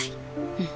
うん。